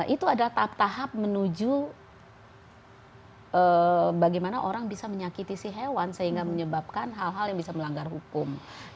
itu adalah tahap tahap menuju bagaimana orang bisa menyakiti si hewan sehingga menyebabkan hal hal yang bisa melanggar hukum